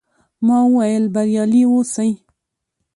ما وویل، بریالي اوسئ.